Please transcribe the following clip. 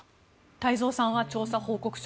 太蔵さんは調査報告書